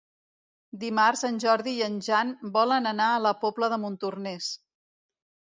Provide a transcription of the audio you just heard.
Dimarts en Jordi i en Jan volen anar a la Pobla de Montornès.